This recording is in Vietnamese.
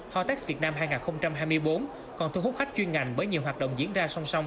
hotex việt nam hai nghìn hai mươi bốn còn thu hút khách chuyên ngành bởi nhiều hoạt động diễn ra song song